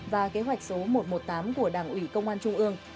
và kế hoạch số một trăm một mươi tám của đảng ủy công an trung ương